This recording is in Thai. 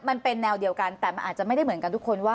มันเป็นแนวเดียวกันแต่มันอาจจะไม่ได้เหมือนกันทุกคนว่า